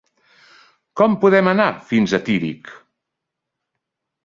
Com podem anar fins a Tírig?